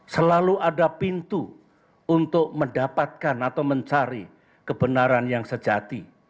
selalu ada pintu untuk mendapatkan atau mencari kebenaran yang sejati